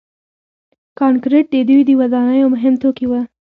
کانکریټ د دوی د ودانیو مهم توکي وو.